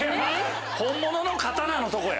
本物の刀のとこや。